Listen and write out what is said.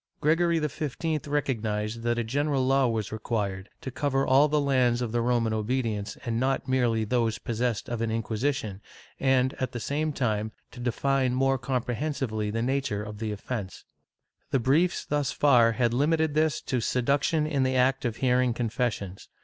Gregory XV recognized that a general law was required, to cover all the lands of the Roman obedience, and not merely those possessed of an Inquisition and, at the same time, to define more comprehensively the natm^e of the offence. The briefs thus far had limited this to seduction in the act of hearing confessions.